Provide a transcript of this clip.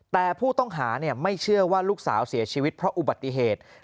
แต่ผู้ต้องหาไม่เชื่อว่าลูกสาวเสียชีวิตเพราะอุบัติเหตุ